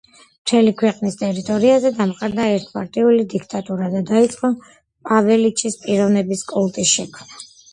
მთელი ქვეყნის ტერიტორიაზე დამყარდა ერთპარტიული დიქტატურა და დაიწყო პაველიჩის პიროვნების კულტის შექმნა.